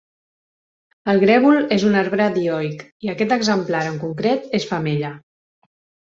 El grèvol és un arbre dioic i aquest exemplar, en concret, és femella.